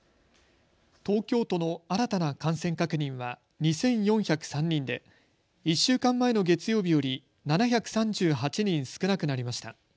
東京都の新たな感染確認は２４０３人で１週間前の月曜日より７３８人少なくなりました。